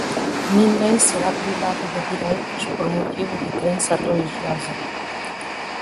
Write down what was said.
ninguém será privado de direitos por motivo de crença religiosa